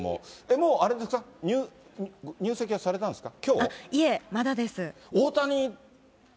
もうあれですか、入籍はされたんですか？